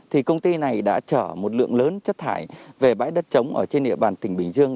thì công ty này đã chở một lượng lớn chất thải về bãi đất trống ở trên địa bàn tỉnh bình dương